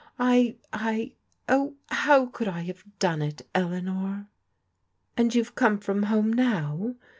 I — ^I— oh, how could I have done it, Eleanor?" *" And you have come from home now?